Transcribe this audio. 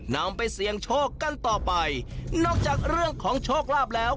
นำไปเสี่ยงโชคกันต่อไปนอกจากเรื่องของโชคลาภแล้ว